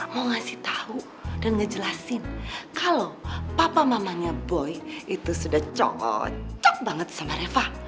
mau ngasih tahu dan ngejelasin kalau papa mamanya boy itu sudah cocok banget sama reva